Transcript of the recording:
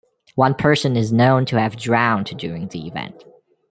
One person is known to have drowned during the event.